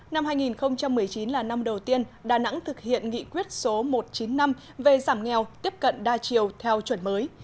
năm hai nghìn một mươi chín là năm đầu tiên đà nẵng thực hiện nghị quyết số một trăm chín mươi năm về giảm nghèo tiếp cận đa chiều theo chuẩn mới